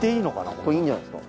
ここいいんじゃないですか？